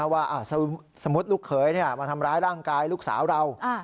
ว่าสมมุติลูกเขยมาทำร้ายร่างกายลูกสาวเรา